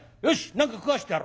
何か食わしてやろう。